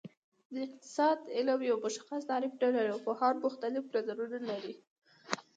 د اقتصاد علم یو مشخص تعریف نلري او پوهان مختلف نظرونه لري